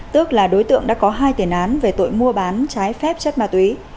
tức là đối tượng đã có hai tiền án về tội mua bán trái phép chất ma túy